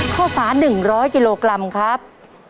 ข้าวสาร๑๐๐กิโลกรัมครับ